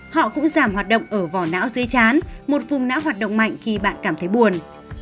họ cũng giảm hoạt động ở vỏ não dây chán một phung não hoạt động mạnh khi bạn cảm thấy buồn